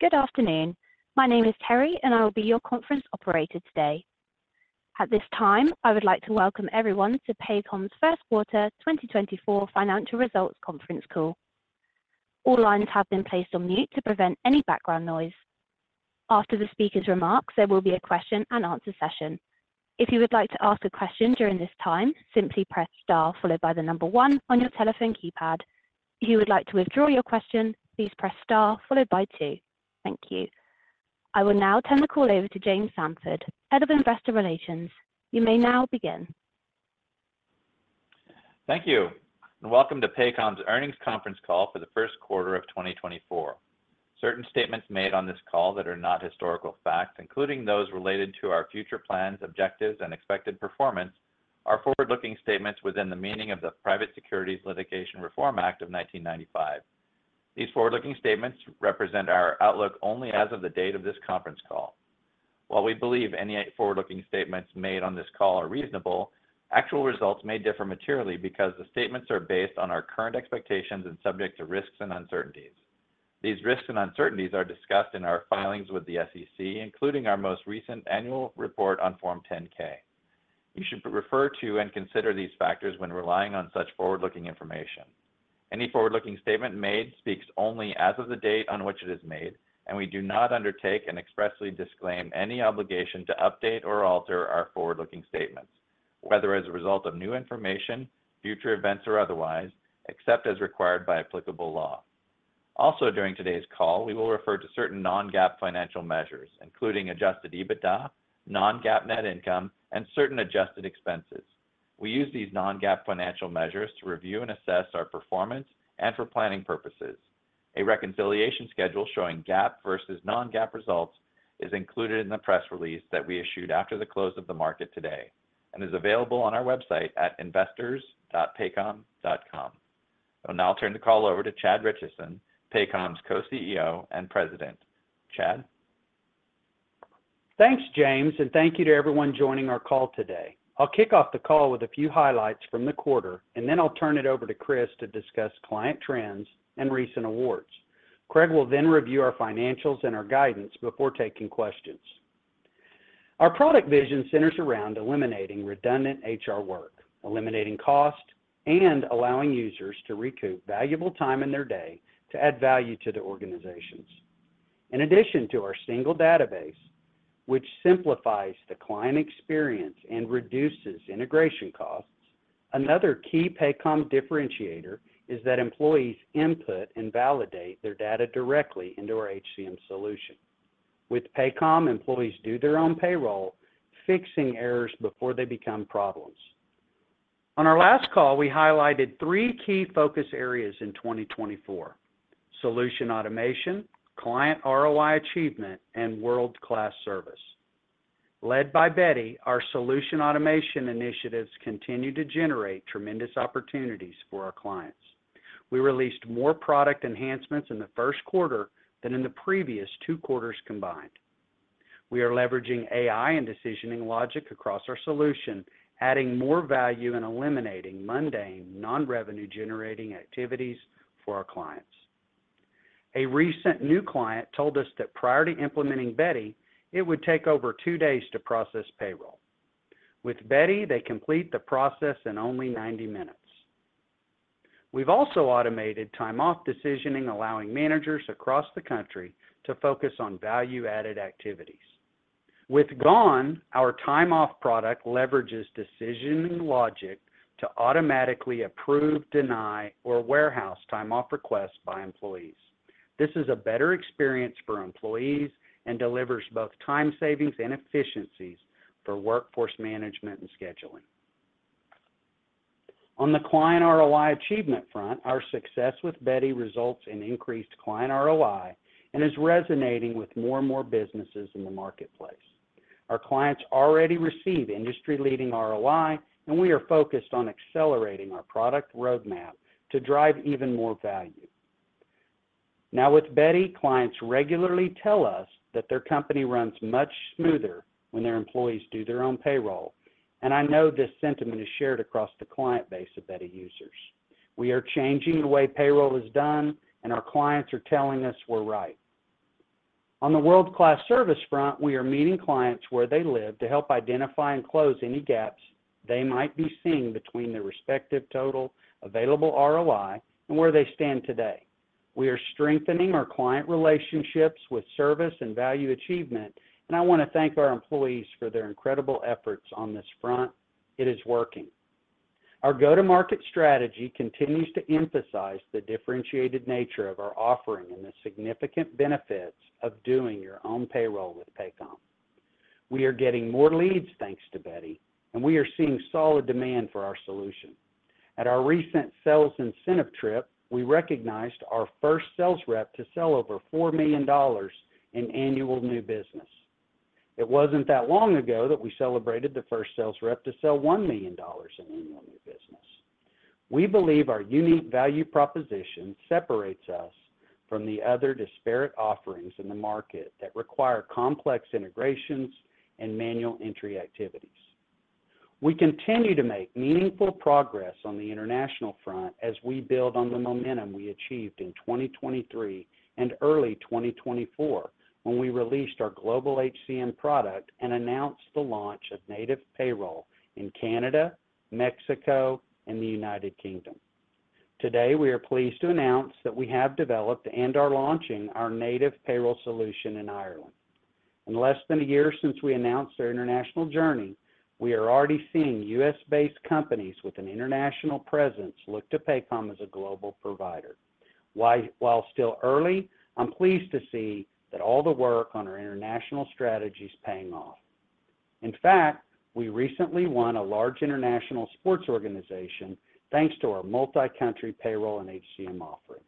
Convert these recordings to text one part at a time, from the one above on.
Good afternoon. My name is Terry, and I will be your conference operator today. At this time, I would like to welcome everyone to Paycom's first quarter 2024 financial results conference call. All lines have been placed on mute to prevent any background noise. After the speaker's remarks, there will be a question and answer session. If you would like to ask a question during this time, simply press star followed by the number one on your telephone keypad. If you would like to withdraw your question, please press star followed by two. Thank you. I will now turn the call over to James Samford, Head of Investor Relations. You may now begin. Thank you, and welcome to Paycom's earnings conference call for the first quarter of 2024. Certain statements made on this call that are not historical facts, including those related to our future plans, objectives, and expected performance, are forward-looking statements within the meaning of the Private Securities Litigation Reform Act of 1995. These forward-looking statements represent our outlook only as of the date of this conference call. While we believe any forward-looking statements made on this call are reasonable, actual results may differ materially because the statements are based on our current expectations and subject to risks and uncertainties. These risks and uncertainties are discussed in our filings with the SEC, including our most recent annual report on Form 10-K. You should refer to and consider these factors when relying on such forward-looking information. Any forward-looking statement made speaks only as of the date on which it is made, and we do not undertake and expressly disclaim any obligation to update or alter our forward-looking statements, whether as a result of new information, future events, or otherwise, except as required by applicable law. Also, during today's call, we will refer to certain non-GAAP financial measures, including adjusted EBITDA, non-GAAP net income, and certain adjusted expenses. We use these non-GAAP financial measures to review and assess our performance and for planning purposes. A reconciliation schedule showing GAAP versus non-GAAP results is included in the press release that we issued after the close of the market today and is available on our website at investors.paycom.com. And now I'll turn the call over to Chad Richison, Paycom's Co-CEO and President. Chad? Thanks, James, and thank you to everyone joining our call today. I'll kick off the call with a few highlights from the quarter, and then I'll turn it over to Chris to discuss client trends and recent awards. Craig will then review our financials and our guidance before taking questions. Our product vision centers around eliminating redundant HR work, eliminating cost, and allowing users to recoup valuable time in their day to add value to the organizations. In addition to our single database, which simplifies the client experience and reduces integration costs, another key Paycom differentiator is that employees input and validate their data directly into our HCM solution. With Paycom, employees do their own payroll, fixing errors before they become problems. On our last call, we highlighted three key focus areas in 2024: solution automation, client ROI achievement, and world-class service. Led by Beti, our solution automation initiatives continue to generate tremendous opportunities for our clients. We released more product enhancements in the first quarter than in the previous two quarters combined. We are leveraging AI and decisioning logic across our solution, adding more value and eliminating mundane, non-revenue-generating activities for our clients. A recent new client told us that prior to implementing Beti, it would take over two days to process payroll. With Beti, they complete the process in only 90 minutes. We've also automated time-off decisioning, allowing managers across the country to focus on value-added activities. With GONE, our time-off product leverages decisioning logic to automatically approve, deny, or warehouse time-off requests by employees. This is a better experience for employees and delivers both time savings and efficiencies for workforce management and scheduling. On the client ROI achievement front, our success with Beti results in increased client ROI and is resonating with more and more businesses in the marketplace. Our clients already receive industry-leading ROI, and we are focused on accelerating our product roadmap to drive even more value. Now, with Beti, clients regularly tell us that their company runs much smoother when their employees do their own payroll, and I know this sentiment is shared across the client base of Beti users. We are changing the way payroll is done, and our clients are telling us we're right. On the world-class service front, we are meeting clients where they live to help identify and close any gaps they might be seeing between their respective total available ROI and where they stand today. We are strengthening our client relationships with service and value achievement, and I want to thank our employees for their incredible efforts on this front. It is working. Our go-to-market strategy continues to emphasize the differentiated nature of our offering and the significant benefits of doing your own payroll with Paycom. We are getting more leads thanks to Beti, and we are seeing solid demand for our solution. At our recent sales incentive trip, we recognized our first sales rep to sell over $4 million in annual new business. It wasn't that long ago that we celebrated the first sales rep to sell $1 million in annual new business. We believe our unique value proposition separates us from the other disparate offerings in the market that require complex integrations and manual entry activities. We continue to make meaningful progress on the international front as we build on the momentum we achieved in 2023 and early 2024 when we released our Global HCM product and announced the launch of native payroll in Canada, Mexico, and the United Kingdom. Today, we are pleased to announce that we have developed and are launching our native payroll solution in Ireland. In less than a year since we announced our international journey, we are already seeing U.S.-based companies with an international presence look to Paycom as a global provider. While still early, I'm pleased to see that all the work on our international strategy is paying off. In fact, we recently won a large international sports organization thanks to our multi-country payroll and HCM offering.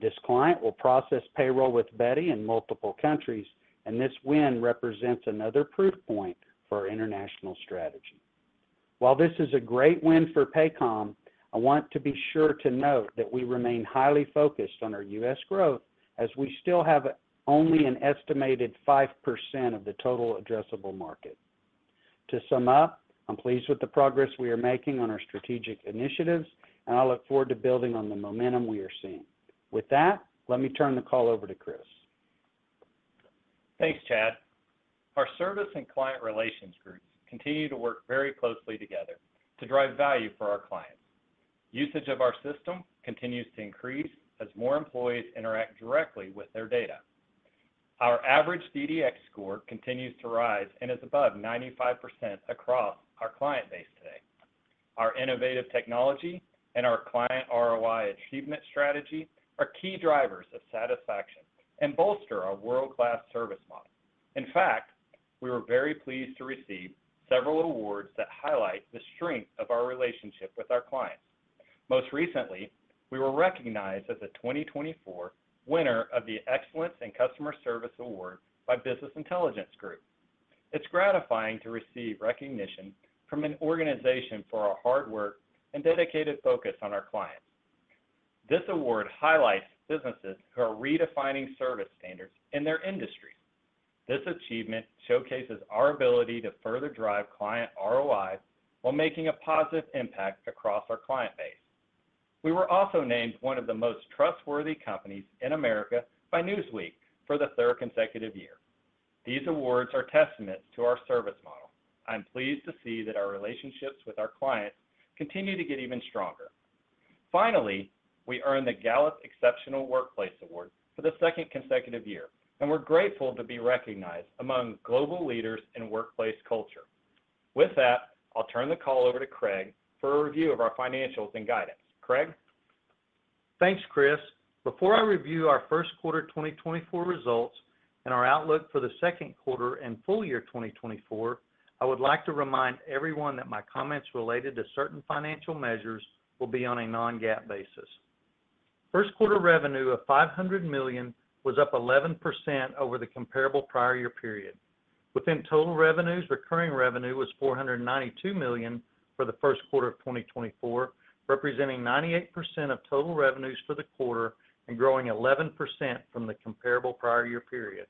This client will process payroll with Beti in multiple countries, and this win represents another proof point for our international strategy. While this is a great win for Paycom, I want to be sure to note that we remain highly focused on our U.S. growth as we still have only an estimated 5% of the total addressable market. To sum up, I'm pleased with the progress we are making on our strategic initiatives, and I look forward to building on the momentum we are seeing. With that, let me turn the call over to Chris. Thanks, Chad. Our service and client relations groups continue to work very closely together to drive value for our clients. Usage of our system continues to increase as more employees interact directly with their data. Our average DDX score continues to rise and is above 95% across our client base today. Our innovative technology and our client ROI achievement strategy are key drivers of satisfaction and bolster our world-class service model. In fact, we were very pleased to receive several awards that highlight the strength of our relationship with our clients. Most recently, we were recognized as a 2024 winner of the Excellence in Customer Service Award by Business Intelligence Group. It's gratifying to receive recognition from an organization for our hard work and dedicated focus on our clients. This award highlights businesses who are redefining service standards in their industries. This achievement showcases our ability to further drive client ROI while making a positive impact across our client base. We were also named one of the most trustworthy companies in America by Newsweek for the third consecutive year. These awards are testaments to our service model. I'm pleased to see that our relationships with our clients continue to get even stronger. Finally, we earned the Gallup Exceptional Workplace Award for the second consecutive year, and we're grateful to be recognized among global leaders in workplace culture. With that, I'll turn the call over to Craig for a review of our financials and guidance. Craig? Thanks, Chris. Before I review our first quarter 2024 results and our outlook for the second quarter and full year 2024, I would like to remind everyone that my comments related to certain financial measures will be on a non-GAAP basis. First quarter revenue of $500 million was up 11% over the comparable prior year period. Within total revenues, recurring revenue was $492 million for the first quarter of 2024, representing 98% of total revenues for the quarter and growing 11% from the comparable prior year period.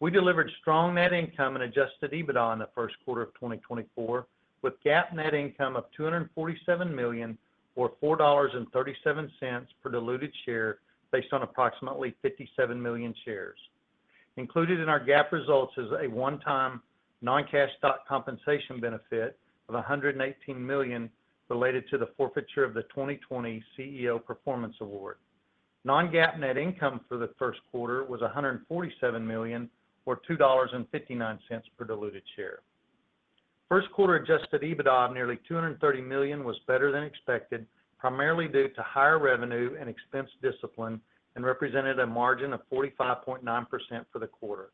We delivered strong net income and adjusted EBITDA in the first quarter of 2024 with GAAP net income of $247 million or $4.37 per diluted share based on approximately 57 million shares. Included in our GAAP results is a one-time non-cash stock compensation benefit of $118 million related to the forfeiture of the 2020 CEO Performance Award. Non-GAAP net income for the first quarter was $147 million or $2.59 per diluted share. First quarter adjusted EBITDA of nearly $230 million was better than expected, primarily due to higher revenue and expense discipline, and represented a margin of 45.9% for the quarter.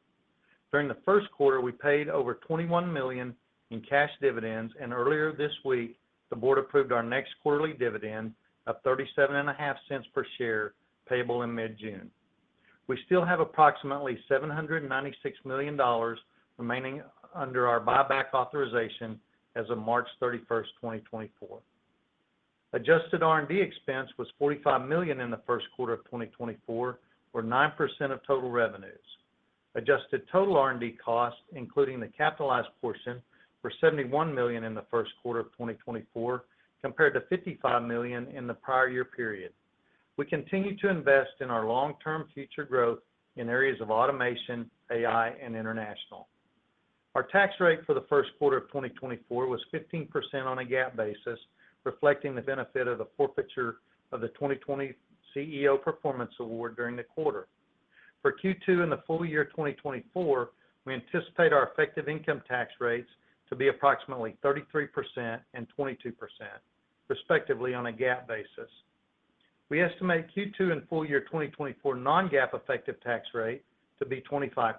During the first quarter, we paid over $21 million in cash dividends, and earlier this week, the board approved our next quarterly dividend of $0.375 per share payable in mid-June. We still have approximately $796 million remaining under our buyback authorization as of March 31st, 2024. Adjusted R&D expense was $45 million in the first quarter of 2024 or 9% of total revenues. Adjusted total R&D costs, including the capitalized portion, were $71 million in the first quarter of 2024 compared to $55 million in the prior year period. We continue to invest in our long-term future growth in areas of automation, AI, and international. Our tax rate for the first quarter of 2024 was 15% on a GAAP basis, reflecting the benefit of the forfeiture of the 2020 CEO Performance Award during the quarter. For Q2 and the full year 2024, we anticipate our effective income tax rates to be approximately 33% and 22%, respectively, on a GAAP basis. We estimate Q2 and full year 2024 Non-GAAP effective tax rate to be 25%.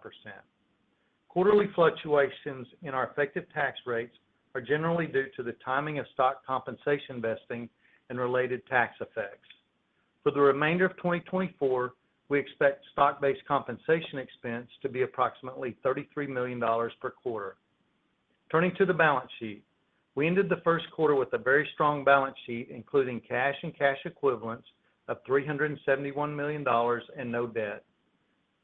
Quarterly fluctuations in our effective tax rates are generally due to the timing of stock compensation vesting and related tax effects. For the remainder of 2024, we expect stock-based compensation expense to be approximately $33 million per quarter. Turning to the balance sheet, we ended the first quarter with a very strong balance sheet, including cash and cash equivalents of $371 million and no debt.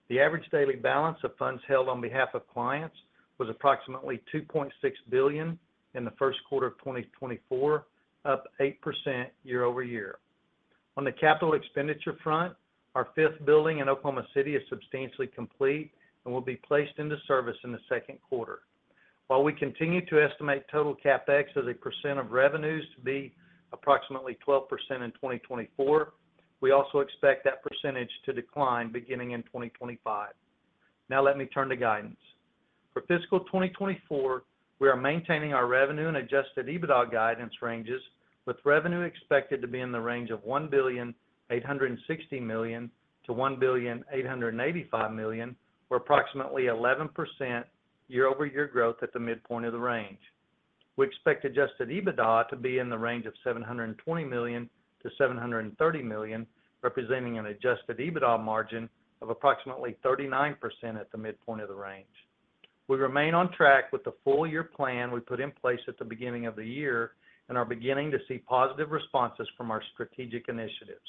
The average daily balance of funds held on behalf of clients was approximately $2.6 billion in the first quarter of 2024, up 8% year-over-year. On the capital expenditure front, our fifth building in Oklahoma City is substantially complete and will be placed into service in the second quarter. While we continue to estimate total CapEx as a percent of revenues to be approximately 12% in 2024, we also expect that percentage to decline beginning in 2025. Now, let me turn to guidance. For fiscal 2024, we are maintaining our revenue and adjusted EBITDA guidance ranges, with revenue expected to be in the range of $1,860 million-$1,885 million or approximately 11% year-over-year growth at the midpoint of the range. We expect adjusted EBITDA to be in the range of $720 million-$730 million, representing an adjusted EBITDA margin of approximately 39% at the midpoint of the range. We remain on track with the full year plan we put in place at the beginning of the year and are beginning to see positive responses from our strategic initiatives.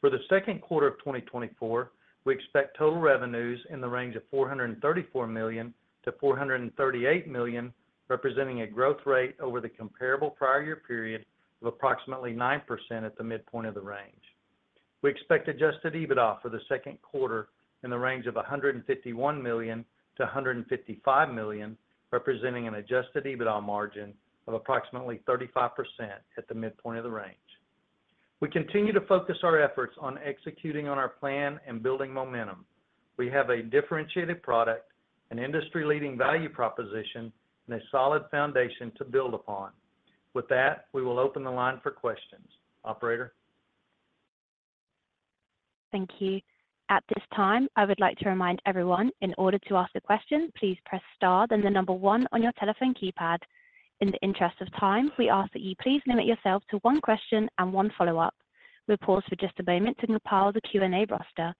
For the second quarter of 2024, we expect total revenues in the range of $434 million-$438 million, representing a growth rate over the comparable prior year period of approximately 9% at the midpoint of the range. We expect adjusted EBITDA for the second quarter in the range of $151 million-$155 million, representing an adjusted EBITDA margin of approximately 35% at the midpoint of the range. We continue to focus our efforts on executing on our plan and building momentum. We have a differentiated product, an industry-leading value proposition, and a solid foundation to build upon. With that, we will open the line for questions. Operator? Thank you. At this time, I would like to remind everyone, in order to ask a question, please press star then the number one on your telephone keypad. In the interest of time, we ask that you please limit yourself to one question and one follow-up. We'll pause for just a moment to compile the Q&A roster.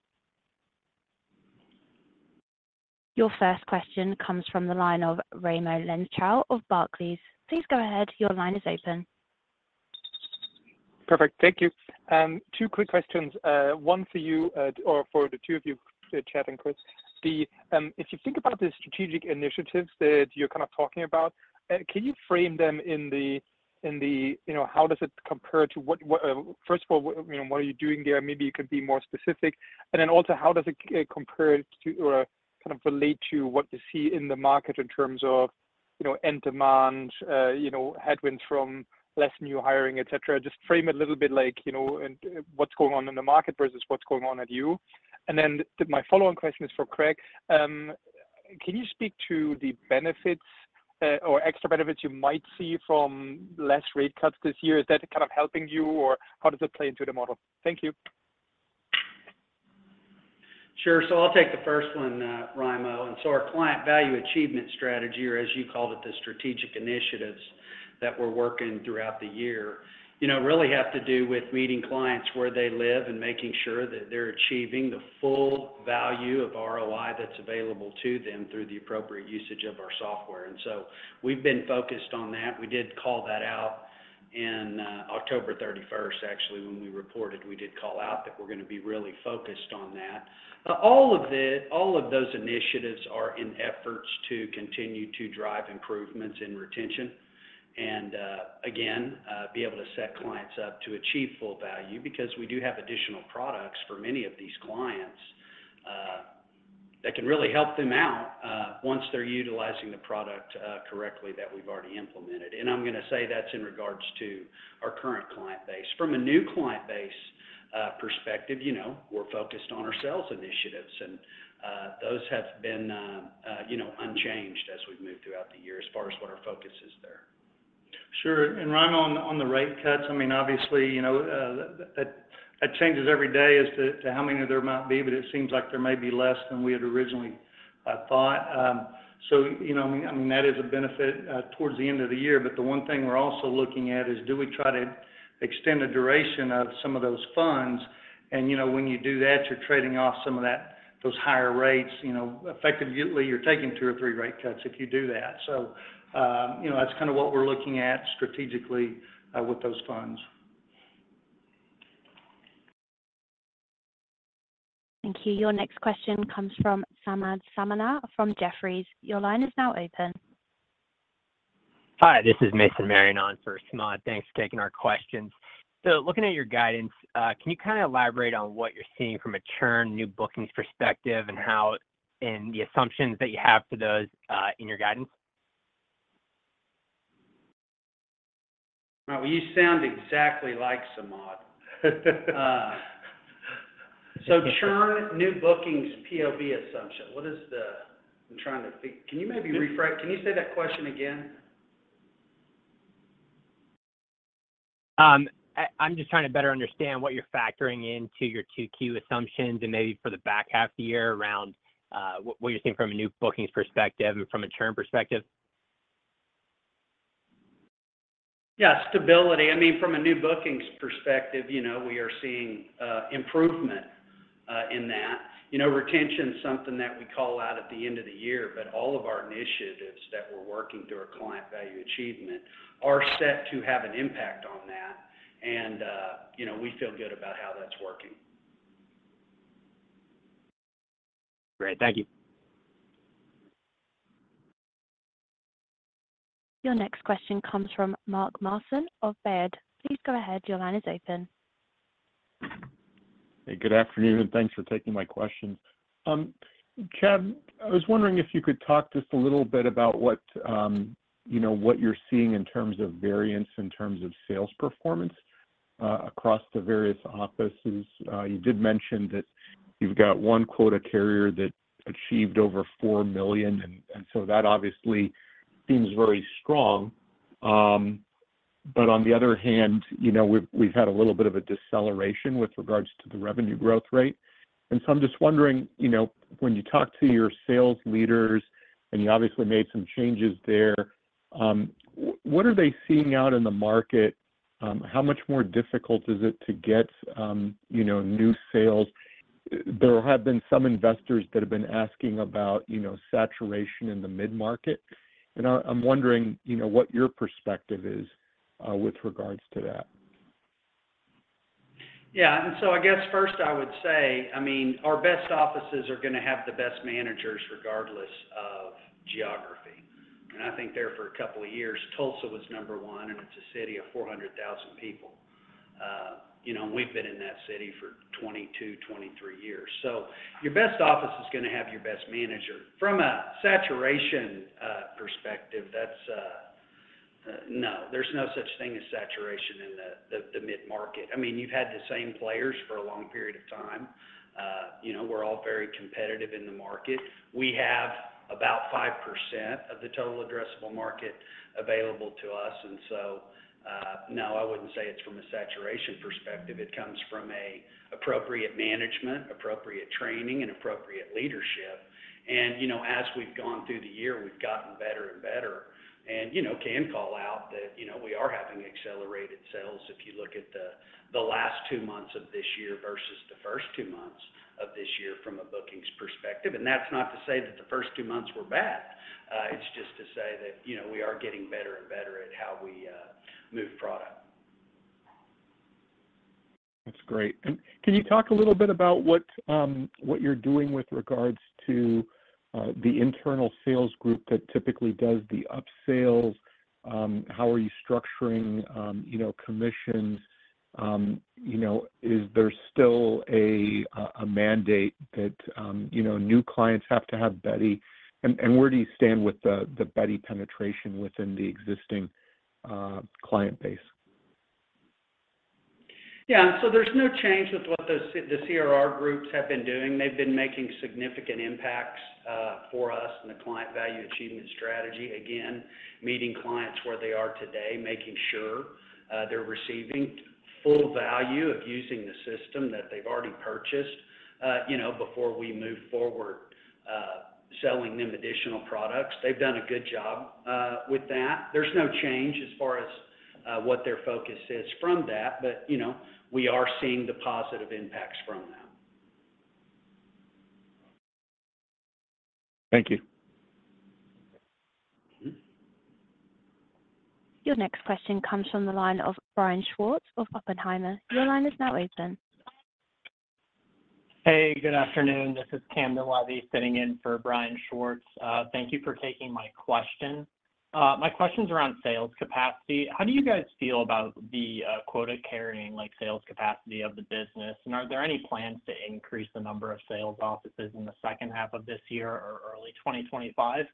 Your first question comes from the line of Raimo Lenschow of Barclays. Please go ahead. Your line is open. Perfect. Thank you. Two quick questions. One for you or for the two of you, Chad and Chris. If you think about the strategic initiatives that you're kind of talking about, can you frame them in the how does it compare to first of all, what are you doing there? Maybe you can be more specific. And then also, how does it compare to or kind of relate to what you see in the market in terms of end demand, headwinds from less new hiring, etc.? Just frame it a little bit like what's going on in the market versus what's going on at you. And then my follow-on question is for Craig. Can you speak to the benefits or extra benefits you might see from less rate cuts this year? Is that kind of helping you, or how does it play into the model? Thank you. Sure. So I'll take the first one, Raimo. And so our client value achievement strategy, or as you called it, the strategic initiatives that we're working throughout the year, really have to do with meeting clients where they live and making sure that they're achieving the full value of ROI that's available to them through the appropriate usage of our software. And so we've been focused on that. We did call that out on October 31st, actually, when we reported. We did call out that we're going to be really focused on that. All of those initiatives are in efforts to continue to drive improvements in retention and, again, be able to set clients up to achieve full value because we do have additional products for many of these clients that can really help them out once they're utilizing the product correctly that we've already implemented. I'm going to say that's in regards to our current client base. From a new client base perspective, we're focused on our sales initiatives, and those have been unchanged as we've moved throughout the year as far as what our focus is there. Sure. And Raimo, on the rate cuts, I mean, obviously, that changes every day as to how many there might be, but it seems like there may be less than we had originally thought. So I mean, that is a benefit towards the end of the year. But the one thing we're also looking at is, do we try to extend the duration of some of those funds? And when you do that, you're trading off some of those higher rates. Effectively, you're taking two or three rate cuts if you do that. So that's kind of what we're looking at strategically with those funds. Thank you. Your next question comes from Samad Samana from Jefferies. Your line is now open. Hi. This is Mason Marion on for Samad. Thanks for taking our questions. Looking at your guidance, can you kind of elaborate on what you're seeing from a churn/new bookings perspective and the assumptions that you have for those in your guidance? Well, you sound exactly like Samad. So churn/new bookings POB assumption, what is the—I'm trying to think. Can you maybe rephrase? Can you say that question again? I'm just trying to better understand what you're factoring into your 2Q assumptions and maybe for the back half of the year around what you're seeing from a new bookings perspective and from a churn perspective. Yeah. Stability. I mean, from a new bookings perspective, we are seeing improvement in that. Retention's something that we call out at the end of the year, but all of our initiatives that we're working through our client value achievement are set to have an impact on that, and we feel good about how that's working. Great. Thank you. Your next question comes from Mark Marcon of Baird. Please go ahead. Your line is open. Hey. Good afternoon, and thanks for taking my questions. Chad, I was wondering if you could talk just a little bit about what you're seeing in terms of variance in terms of sales performance across the various offices. You did mention that you've got one quota carrier that achieved over $4 million, and so that obviously seems very strong. But on the other hand, we've had a little bit of a deceleration with regards to the revenue growth rate. And so I'm just wondering, when you talk to your sales leaders and you obviously made some changes there, what are they seeing out in the market? How much more difficult is it to get new sales? There have been some investors that have been asking about saturation in the mid-market, and I'm wondering what your perspective is with regards to that. Yeah. So I guess first, I would say, I mean, our best offices are going to have the best managers regardless of geography. And I think, for a couple of years, Tulsa was number one, and it's a city of 400,000 people. And we've been in that city for 22, 23 years. So your best office is going to have your best manager. From a saturation perspective, no, there's no such thing as saturation in the mid-market. I mean, you've had the same players for a long period of time. We're all very competitive in the market. We have about 5% of the total addressable market available to us. And so no, I wouldn't say it's from a saturation perspective. It comes from appropriate management, appropriate training, and appropriate leadership. And as we've gone through the year, we've gotten better and better. And can call out that we are having accelerated sales if you look at the last two months of this year versus the first two months of this year from a bookings perspective. And that's not to say that the first two months were bad. It's just to say that we are getting better and better at how we move product. That's great. And can you talk a little bit about what you're doing with regards to the internal sales group that typically does the upsales? How are you structuring commissions? Is there still a mandate that new clients have to have Beti? And where do you stand with the Beti penetration within the existing client base? Yeah. So there's no change with what the CRR groups have been doing. They've been making significant impacts for us in the client value achievement strategy. Again, meeting clients where they are today, making sure they're receiving full value of using the system that they've already purchased before we move forward selling them additional products. They've done a good job with that. There's no change as far as what their focus is from that, but we are seeing the positive impacts from that. Thank you. Your next question comes from the line of Brian Schwartz of Oppenheimer. Your line is now open. Hey. Good afternoon. This is Camden Levy sitting in for Brian Schwartz. Thank you for taking my question. My question's around sales capacity. How do you guys feel about the quota-carrying sales capacity of the business? And are there any plans to increase the number of sales offices in the second half of this year or early 2025?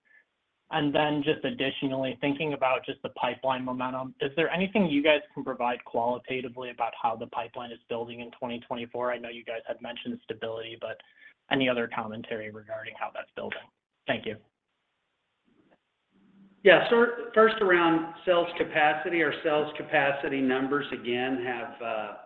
And then just additionally, thinking about just the pipeline momentum, is there anything you guys can provide qualitatively about how the pipeline is building in 2024? I know you guys had mentioned stability, but any other commentary regarding how that's building? Thank you. Yeah. So first, around sales capacity, our sales capacity numbers, again, have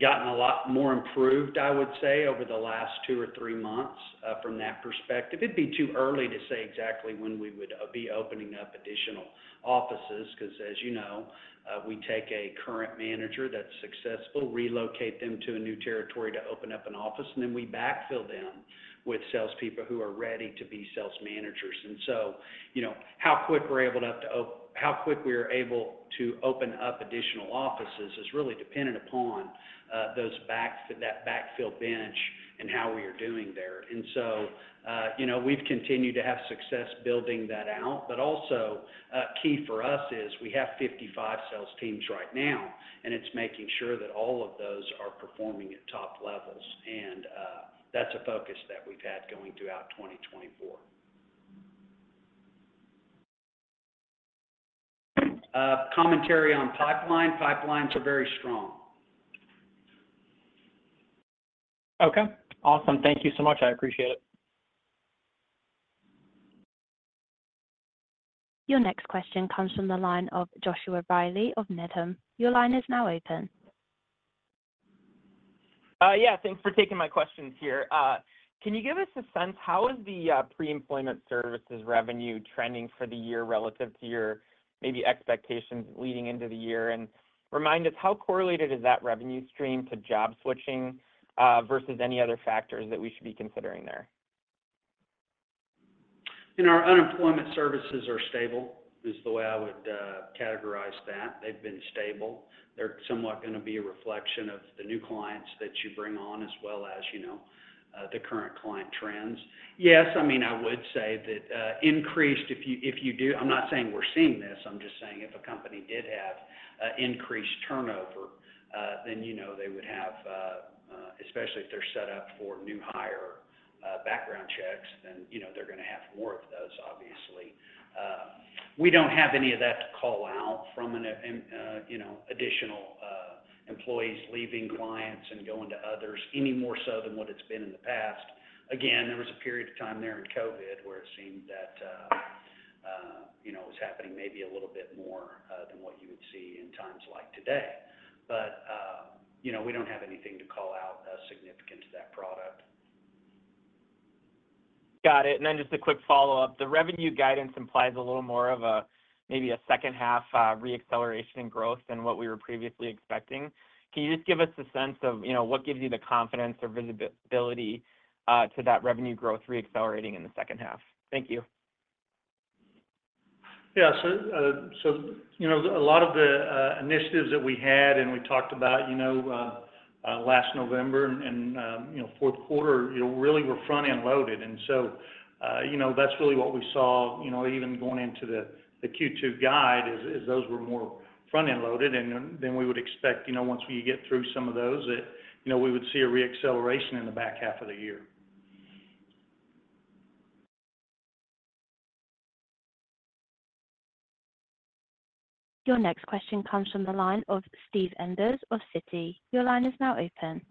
gotten a lot more improved, I would say, over the last two or three months from that perspective. It'd be too early to say exactly when we would be opening up additional offices because, as you know, we take a current manager that's successful, relocate them to a new territory to open up an office, and then we backfill them with salespeople who are ready to be sales managers. And so how quick we are able to open up additional offices is really dependent upon that backfill bench and how we are doing there. And so we've continued to have success building that out. But also, key for us is we have 55 sales teams right now, and it's making sure that all of those are performing at top levels. That's a focus that we've had going throughout 2024. Commentary on pipeline. Pipelines are very strong. Okay. Awesome. Thank you so much. I appreciate it. Your next question comes from the line of Joshua Reilly of Needham. Your line is now open. Yeah. Thanks for taking my questions here. Can you give us a sense how is the pre-employment services revenue trending for the year relative to your maybe expectations leading into the year? And remind us, how correlated is that revenue stream to job switching versus any other factors that we should be considering there? Our unemployment services are stable, is the way I would categorize that. They've been stable. They're somewhat going to be a reflection of the new clients that you bring on as well as the current client trends. Yes. I mean, I would say that increased if you do. I'm not saying we're seeing this. I'm just saying if a company did have increased turnover, then they would have especially if they're set up for new hire background checks, then they're going to have more of those, obviously. We don't have any of that to call out from additional employees leaving clients and going to others any more so than what it's been in the past. Again, there was a period of time there in COVID where it seemed that it was happening maybe a little bit more than what you would see in times like today. But we don't have anything to call out significant to that product. Got it. And then just a quick follow-up. The revenue guidance implies a little more of maybe a second half reacceleration in growth than what we were previously expecting. Can you just give us a sense of what gives you the confidence or visibility to that revenue growth reaccelerating in the second half? Thank you. Yeah. So a lot of the initiatives that we had, and we talked about last November and fourth quarter, really were front-end loaded. And so that's really what we saw even going into the Q2 guide is those were more front-end loaded than we would expect. Once we get through some of those, we would see a reacceleration in the back half of the year. Your next question comes from the line of Steve Enders of Citi. Your line is now open.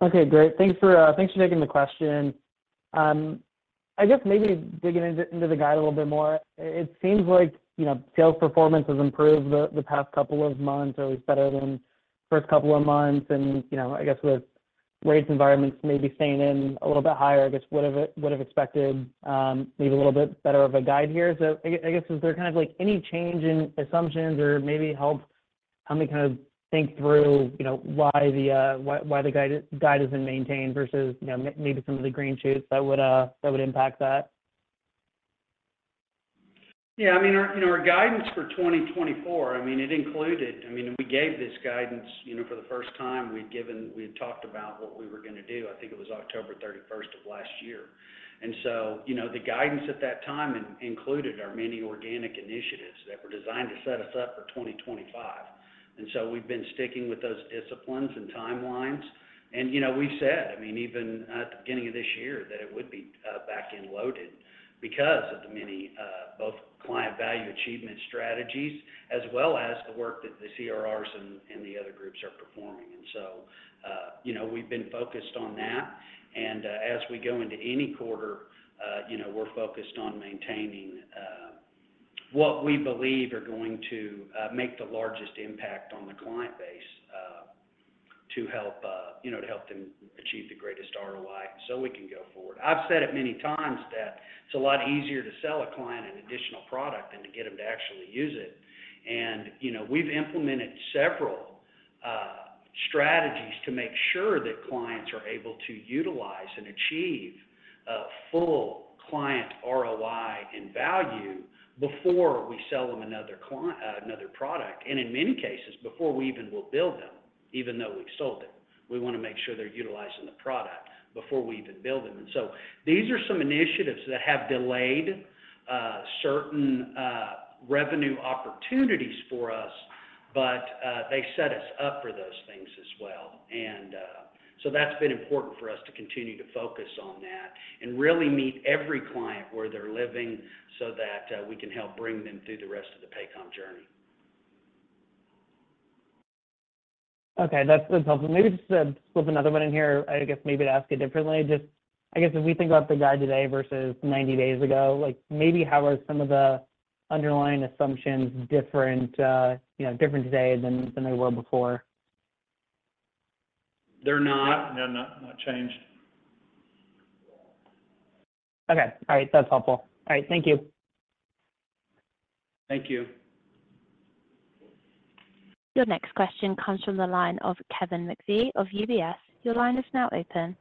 Okay. Great. Thanks for taking the question. I guess maybe digging into the guide a little bit more. It seems like sales performance has improved the past couple of months, or at least better than the first couple of months. And I guess with rates environments maybe staying in a little bit higher, I guess would have expected maybe a little bit better of a guide here. So I guess is there kind of any change in assumptions or maybe help me kind of think through why the guide isn't maintained versus maybe some of the green shoots that would impact that? Yeah. I mean, our guidance for 2024, I mean, it included I mean, we gave this guidance for the first time. We had talked about what we were going to do. I think it was October 31st of last year. And so the guidance at that time included our many organic initiatives that were designed to set us up for 2025. And so we've been sticking with those disciplines and timelines. And we've said, I mean, even at the beginning of this year, that it would be back-end loaded because of the many both client value achievement strategies as well as the work that the CRRs and the other groups are performing. And so we've been focused on that. As we go into any quarter, we're focused on maintaining what we believe are going to make the largest impact on the client base to help them achieve the greatest ROI so we can go forward. I've said it many times that it's a lot easier to sell a client an additional product than to get them to actually use it. We've implemented several strategies to make sure that clients are able to utilize and achieve full client ROI and value before we sell them another product, and in many cases, before we even will build them, even though we've sold it. We want to make sure they're utilizing the product before we even build them. So these are some initiatives that have delayed certain revenue opportunities for us, but they set us up for those things as well. And so that's been important for us to continue to focus on that and really meet every client where they're living so that we can help bring them through the rest of the Paycom journey. Okay. That's helpful. Maybe just to flip another one in here, I guess, maybe to ask it differently. I guess if we think about the guide today versus 90 days ago, maybe how are some of the underlying assumptions different today than they were before? They're not. They're not changed. Okay. All right. That's helpful. All right. Thank you. Thank you. Your next question comes from the line of Kevin McVeigh of UBS. Your line is now open.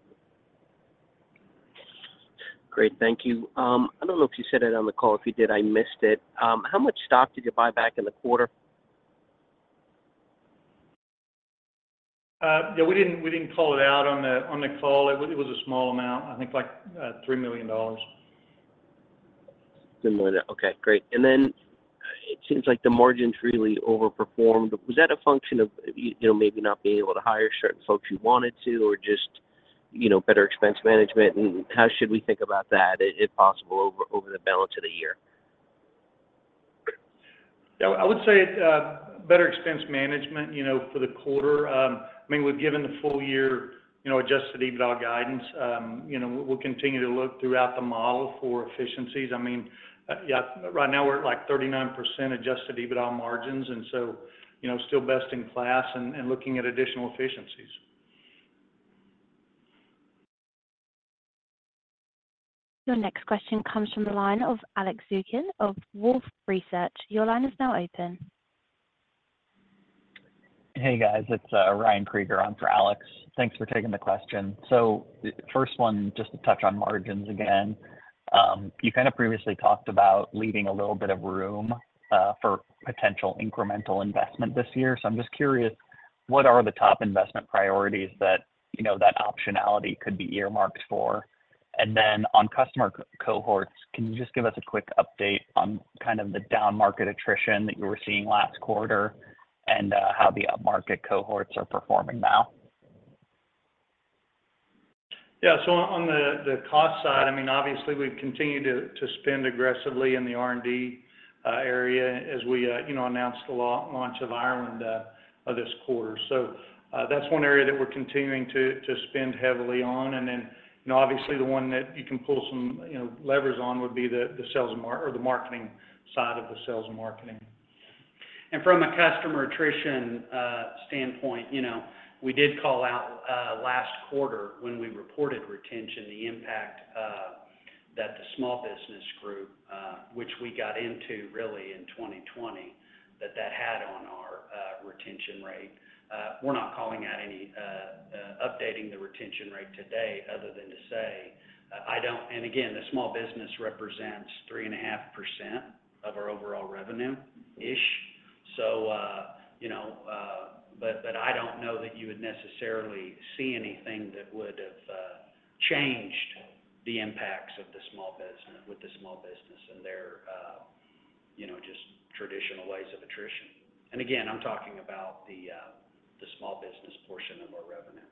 Great. Thank you. I don't know if you said it on the call. If you did, I missed it. How much stock did you buy back in the quarter? Yeah. We didn't call it out on the call. It was a small amount, I think like $3 million. $3 million. Okay. Great. And then it seems like the margins really overperformed. Was that a function of maybe not being able to hire certain folks you wanted to or just better expense management? And how should we think about that, if possible, over the balance of the year? Yeah. I would say better expense management for the quarter. I mean, we've given the full-year adjusted EBITDA guidance. We'll continue to look throughout the model for efficiencies. I mean, yeah, right now, we're at like 39% adjusted EBITDA margins, and so still best in class and looking at additional efficiencies. Your next question comes from the line of Alex Zukin of Wolfe Research. Your line is now open. Hey, guys. It's Ryan Krieger. I'm for Alex. Thanks for taking the question. So first one, just to touch on margins again. You kind of previously talked about leaving a little bit of room for potential incremental investment this year. So I'm just curious, what are the top investment priorities that that optionality could be earmarked for? And then on customer cohorts, can you just give us a quick update on kind of the down-market attrition that you were seeing last quarter and how the up-market cohorts are performing now? Yeah. So on the cost side, I mean, obviously, we've continued to spend aggressively in the R&D area as we announced the launch of Ireland this quarter. So that's one area that we're continuing to spend heavily on. And then obviously, the one that you can pull some levers on would be the sales or the marketing side of the sales and marketing. And from a customer attrition standpoint, we did call out last quarter when we reported retention, the impact that the small business group, which we got into really in 2020, that that had on our retention rate. We're not calling out any updating the retention rate today other than to say, "I don't" and again, the small business represents 3.5% of our overall revenue-ish. But I don't know that you would necessarily see anything that would have changed the impacts with the small business and their just traditional ways of attrition. And again, I'm talking about the small business portion of our revenue.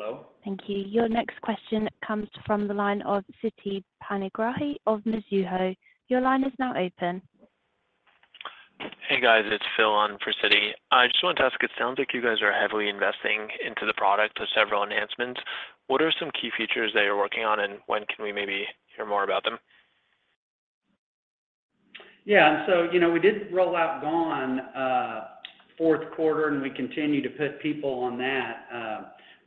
Hello? Thank you. Your next question comes from the line of Siti Panigrahi of Mizuho. Your line is now open. Hey, guys. It's Phil on for Siti. I just wanted to ask. It sounds like you guys are heavily investing into the product with several enhancements. What are some key features that you're working on, and when can we maybe hear more about them? Yeah. So we did roll out Gone fourth quarter, and we continue to put people on that.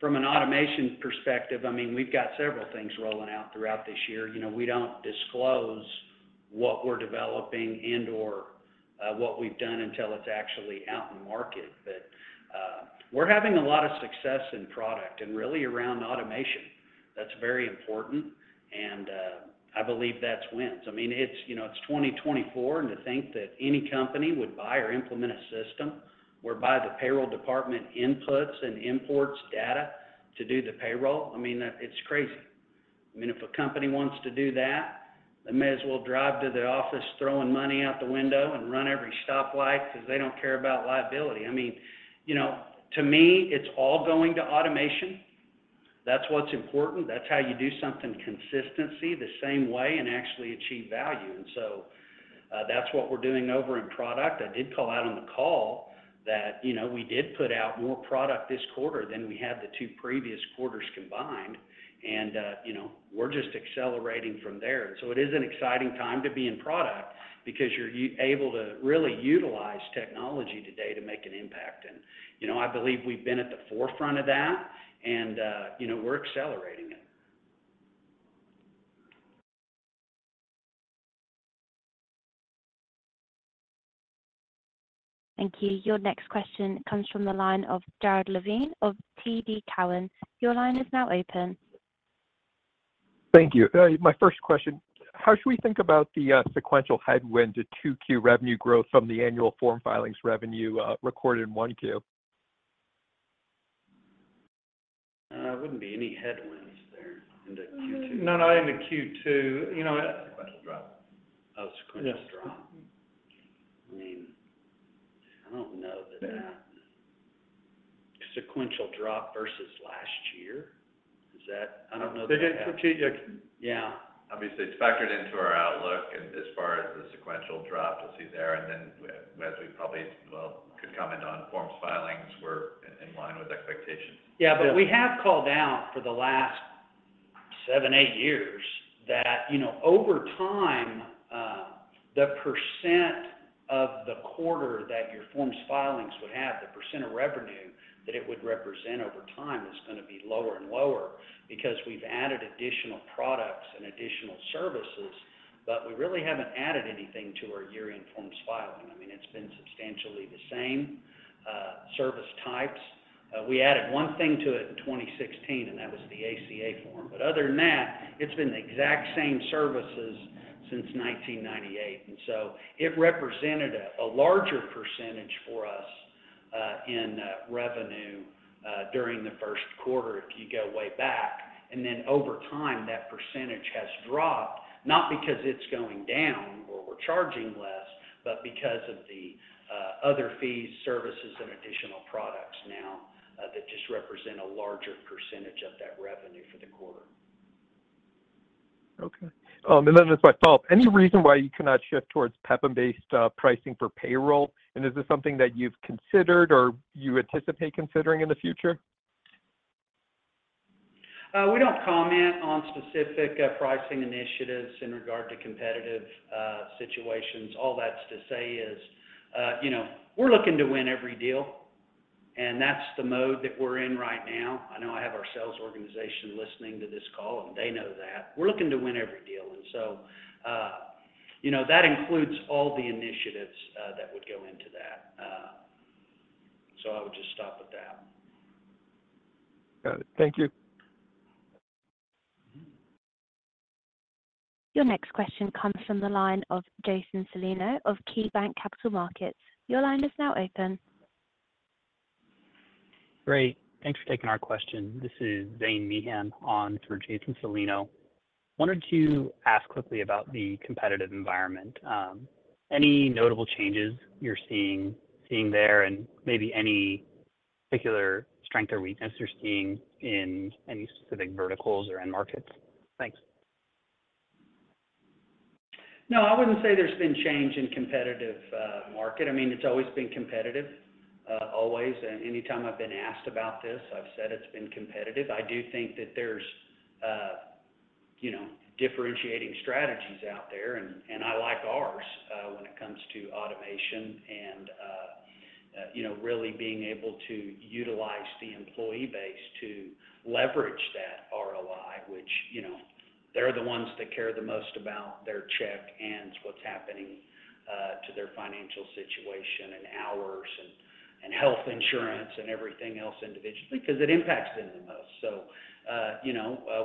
From an automation perspective, I mean, we've got several things rolling out throughout this year. We don't disclose what we're developing and/or what we've done until it's actually out in the market. But we're having a lot of success in product and really around automation. That's very important. And I believe that's wins. I mean, it's 2024, and to think that any company would buy or implement a system whereby the payroll department inputs and imports data to do the payroll, I mean, it's crazy. I mean, if a company wants to do that, they may as well drive to the office throwing money out the window and run every stoplight because they don't care about liability. I mean, to me, it's all going to automation. That's what's important. That's how you do something consistently the same way and actually achieve value. That's what we're doing over in product. I did call out on the call that we did put out more product this quarter than we had the two previous quarters combined. We're just accelerating from there. It is an exciting time to be in product because you're able to really utilize technology today to make an impact. I believe we've been at the forefront of that, and we're accelerating it. Thank you. Your next question comes from the line of Jared Levine of TD Cowen. Your line is now open. Thank you. My first question, how should we think about the sequential headwind to 2Q revenue growth from the annual form filings revenue recorded in 1Q? There wouldn't be any headwinds there into Q2. No, not into Q2. Sequential drop. Oh, sequential drop. I mean, I don't know that that sequential drop versus last year. I don't know that that. They didn't repeat. Yeah. Yeah. Obviously, it's factored into our outlook. And as far as the sequential drop, you'll see there. And then as we probably, well, could comment on forms filings, we're in line with expectations. Yeah. But we have called out for the last 7-8 years that over time, the percent of the quarter that year's forms filings would have, the percent of revenue that it would represent over time is going to be lower and lower because we've added additional products and additional services. But we really haven't added anything to our year-end forms filing. I mean, it's been substantially the same service types. We added one thing to it in 2016, and that was the ACA form. But other than that, it's been the exact same services since 1998. And so it represented a larger percentage for us in revenue during the first quarter if you go way back. Then over time, that percentage has dropped, not because it's going down or we're charging less, but because of the other fees, services, and additional products now that just represent a larger percentage of that revenue for the quarter. Okay. And then that's my follow-up. Any reason why you cannot shift towards PEPM-based pricing for payroll? And is this something that you've considered or you anticipate considering in the future? We don't comment on specific pricing initiatives in regard to competitive situations. All that's to say is we're looking to win every deal. That's the mode that we're in right now. I know I have our sales organization listening to this call, and they know that. We're looking to win every deal. That includes all the initiatives that would go into that. I would just stop with that. Got it. Thank you. Your next question comes from the line of Jason Celino of KeyBanc Capital Markets. Your line is now open. Great. Thanks for taking our question. This is Zane Meehan on for Jason Celino. Wanted to ask quickly about the competitive environment. Any notable changes you're seeing there and maybe any particular strength or weakness you're seeing in any specific verticals or end markets? Thanks. No, I wouldn't say there's been change in competitive market. I mean, it's always been competitive, always. Anytime I've been asked about this, I've said it's been competitive. I do think that there's differentiating strategies out there, and I like ours when it comes to automation and really being able to utilize the employee base to leverage that ROI, which they're the ones that care the most about their check and what's happening to their financial situation and ours and health insurance and everything else individually because it impacts them the most. So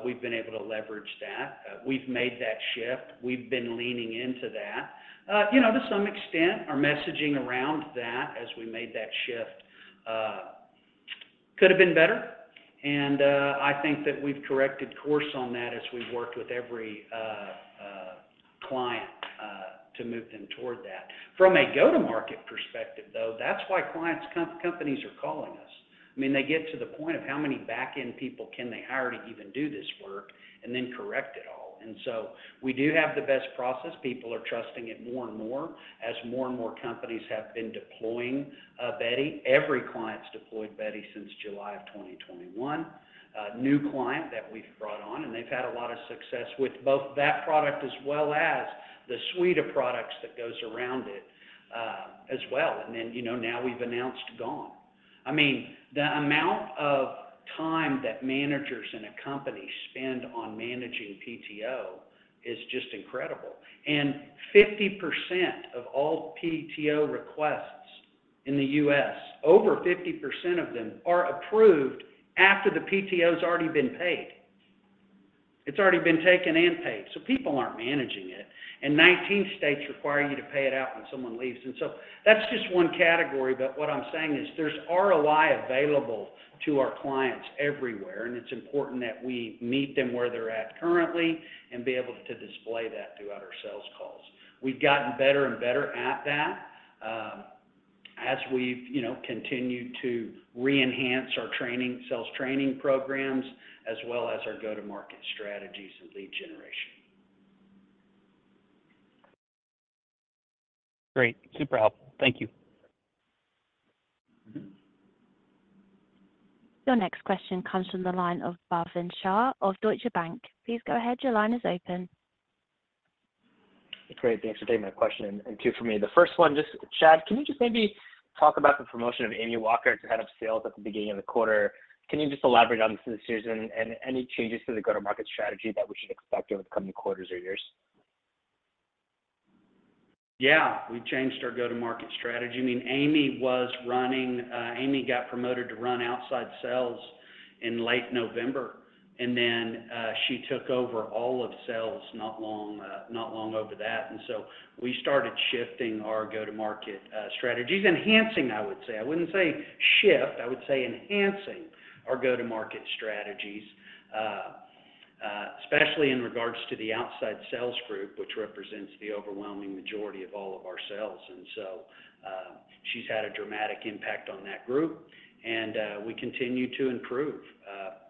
we've been able to leverage that. We've made that shift. We've been leaning into that. To some extent, our messaging around that as we made that shift could have been better. I think that we've corrected course on that as we've worked with every client to move them toward that. From a go-to-market perspective, though, that's why client companies are calling us. I mean, they get to the point of how many back-end people can they hire to even do this work and then correct it all? We do have the best process. People are trusting it more and more as more and more companies have been deploying Beti. Every client's deployed Beti since July of 2021, new client that we've brought on. They've had a lot of success with both that product as well as the suite of products that goes around it as well. Now we've announced GONE. I mean, the amount of time that managers in a company spend on managing PTO is just incredible. 50% of all PTO requests in the U.S., over 50% of them are approved after the PTO's already been paid. It's already been taken and paid. People aren't managing it. 19 states require you to pay it out when someone leaves. That's just one category. But what I'm saying is there's ROI available to our clients everywhere. It's important that we meet them where they're at currently and be able to display that throughout our sales calls. We've gotten better and better at that as we've continued to re-enhance our sales training programs as well as our go-to-market strategies and lead generation. Great. Super helpful. Thank you. Your next question comes from the line of Bhavin Shah of Deutsche Bank. Please go ahead. Your line is open. Great. Thanks for taking my question and two for me. The first one, just Chad, can you just maybe talk about the promotion of Amy Walker, who's head of sales at the beginning of the quarter? Can you just elaborate on this this year's and any changes to the go-to-market strategy that we should expect over the coming quarters or years? Yeah. We changed our go-to-market strategy. I mean, Amy got promoted to run outside sales in late November. Then she took over all of sales not long over that. So we started shifting our go-to-market strategies, enhancing, I would say. I wouldn't say shift. I would say enhancing our go-to-market strategies, especially in regards to the outside sales group, which represents the overwhelming majority of all of our sales. So she's had a dramatic impact on that group. We continue to improve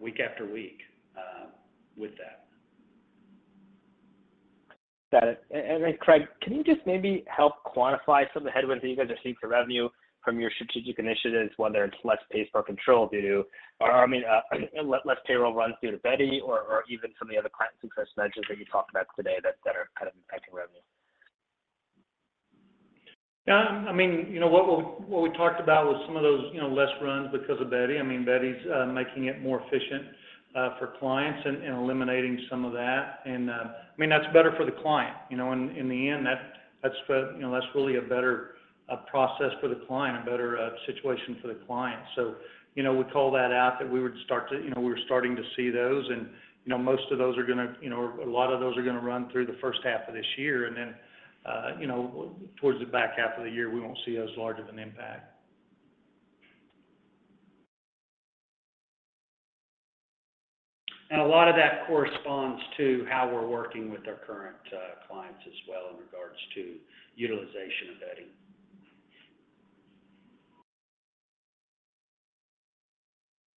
week after week with that. Got it. Then Craig, can you just maybe help quantify some of the headwinds that you guys are seeing for revenue from your strategic initiatives, whether it's less pays per control due to or, I mean, less payroll runs due to Beti or even some of the other client success measures that you talked about today that are kind of impacting revenue? Yeah. I mean, what we talked about was some of those less runs because of Beti. I mean, Beti's making it more efficient for clients and eliminating some of that. And I mean, that's better for the client. In the end, that's really a better process for the client, a better situation for the client. So we call that out that we would start to we were starting to see those. And most of those are going to a lot of those are going to run through the first half of this year. And then towards the back half of the year, we won't see as large of an impact. A lot of that corresponds to how we're working with our current clients as well in regards to utilization of Beti.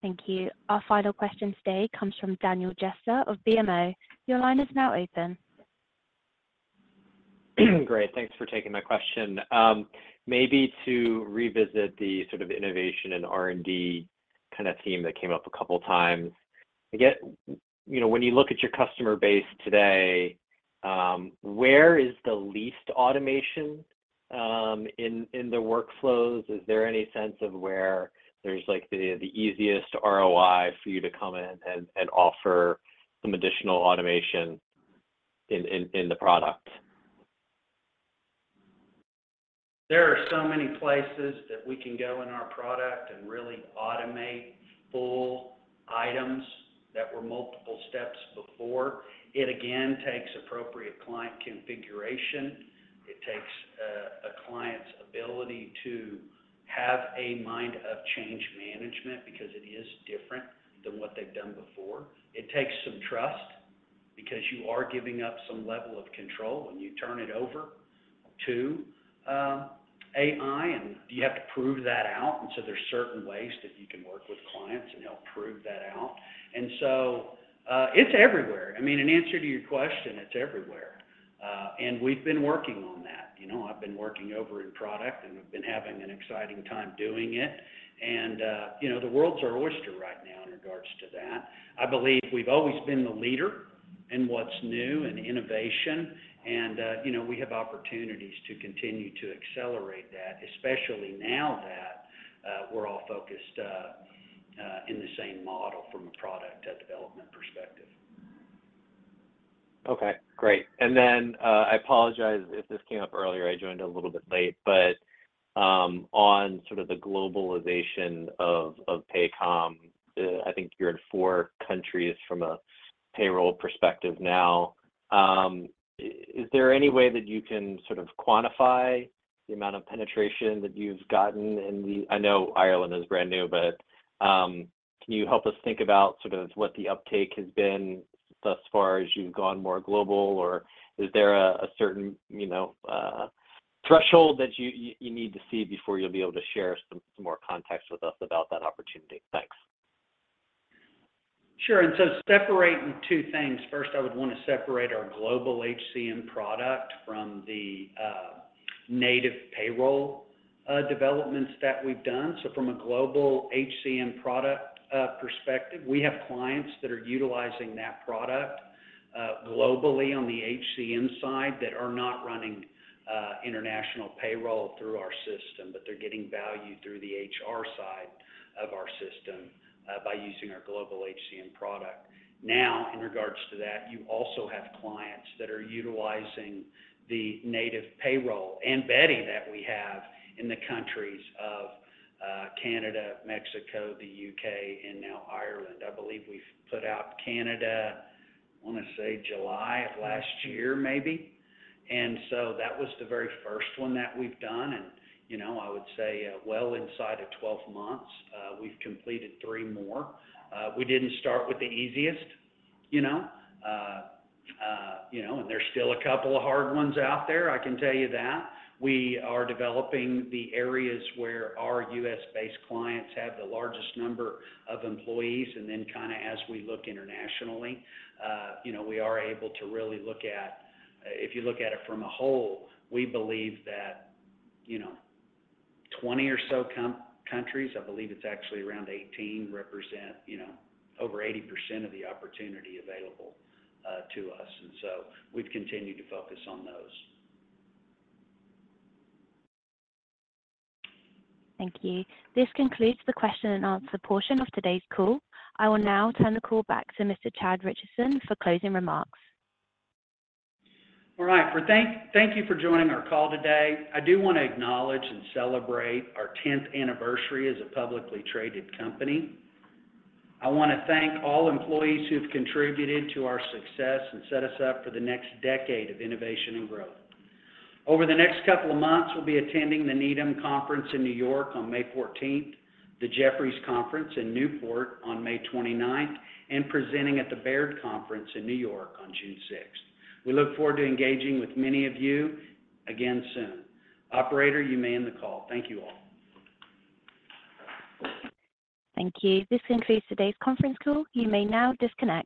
Thank you. Our final question today comes from Daniel Jester of BMO. Your line is now open. Great. Thanks for taking my question. Maybe to revisit the sort of innovation and R&D kind of theme that came up a couple of times. I guess when you look at your customer base today, where is the least automation in the workflows? Is there any sense of where there's the easiest ROI for you to come in and offer some additional automation in the product? There are so many places that we can go in our product and really automate full items that were multiple steps before. It, again, takes appropriate client configuration. It takes a client's ability to have a mind of change management because it is different than what they've done before. It takes some trust because you are giving up some level of control when you turn it over to AI. And you have to prove that out. And so there's certain ways that you can work with clients and help prove that out. And so it's everywhere. I mean, in answer to your question, it's everywhere. And we've been working on that. I've been working over in product, and we've been having an exciting time doing it. And the world's our oyster right now in regards to that. I believe we've always been the leader in what's new and innovation. We have opportunities to continue to accelerate that, especially now that we're all focused in the same model from a product development perspective. Okay. Great. And then, I apologize if this came up earlier. I joined a little bit late. But on sort of the globalization of Paycom, I think you're in four countries from a payroll perspective now. Is there any way that you can sort of quantify the amount of penetration that you've gotten in the—I know Ireland is brand new—but can you help us think about sort of what the uptake has been thus far as you've gone more global? Or is there a certain threshold that you need to see before you'll be able to share some more context with us about that opportunity? Thanks. Sure. And so separating two things. First, I would want to separate our global HCM product from the native payroll developments that we've done. So from a global HCM product perspective, we have clients that are utilizing that product globally on the HCM side that are not running international payroll through our system, but they're getting value through the HR side of our system by using our global HCM product. Now, in regards to that, you also have clients that are utilizing the native payroll and Beti that we have in the countries of Canada, Mexico, the U.K., and now Ireland. I believe we've put out Canada, I want to say, July of last year, maybe. And so that was the very first one that we've done. And I would say, well, inside of 12 months, we've completed three more. We didn't start with the easiest. There's still a couple of hard ones out there. I can tell you that. We are developing the areas where our U.S.-based clients have the largest number of employees. Then kind of as we look internationally, we are able to really look at if you look at it from a whole, we believe that 20 or so countries - I believe it's actually around 18 - represent over 80% of the opportunity available to us. So we've continued to focus on those. Thank you. This concludes the question-and-answer portion of today's call. I will now turn the call back to Mr. Chad Richison for closing remarks. All right. Thank you for joining our call today. I do want to acknowledge and celebrate our 10th anniversary as a publicly traded company. I want to thank all employees who've contributed to our success and set us up for the next decade of innovation and growth. Over the next couple of months, we'll be attending the Needham Conference in New York on May 14th, the Jefferies Conference in Newport on May 29th, and presenting at the Baird Conference in New York on June 6th. We look forward to engaging with many of you again soon. Operator, you may end the call. Thank you all. Thank you. This concludes today's conference call. You may now disconnect.